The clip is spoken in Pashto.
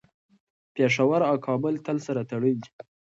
پېښور او کابل تل سره تړلي دي.